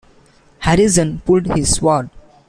Harrison pulled his sword.